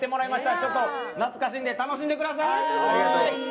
ちょっと懐かしんで楽しんでください。